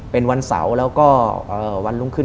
เป็นวันเสาร์แล้วก็วันรุ่งขึ้น